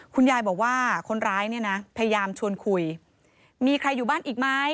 คุณยายบอกว่าคนร้ายเนี่ยนะพยายามชวนคุยมีใครอยู่บ้านอีกไหม